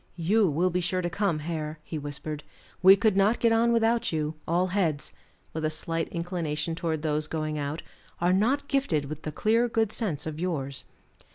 "You will be sure to come, Hare," he whispered. "We could not get on without you; all heads," with a slight inclination towards those going out, "are not gifted with the clear good sense of yours."